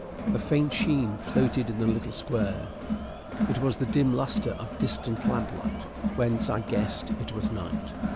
A faint sheen floated in the little square. It was the dim lustre of distant lamplight, whence I guessed it was night.